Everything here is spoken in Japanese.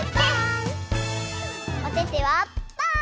おててはパー！